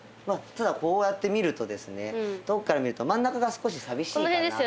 ただこうやって見るとですね遠くから見ると真ん中が少し寂しいかなと思います。